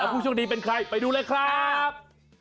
ผู้โชคดีเป็นใครไปดูเลยครับ